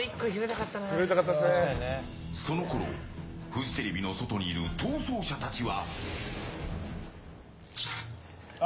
そのころ、フジテレビの外にいる逃走者たちは。